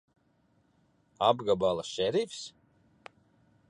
Apgabala šerifs!